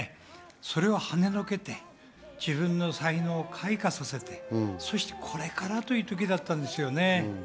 それを跳ね除けて自分の才能を開花させて、そしてこれからという時だったんですよね。